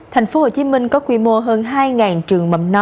thành phố hồ chí minh có quy mô hơn hai trường mầm non